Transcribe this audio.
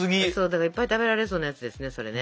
だからいっぱい食べられそうなやつですねそれね。